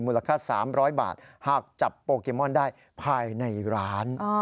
ค่า๓๐๐บาทหากจับโปเกมอนได้ภายในร้าน